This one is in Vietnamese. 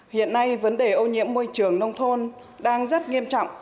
hiện nay vấn đề ô nhiễm môi trường nông thôn đang rất nghiêm trọng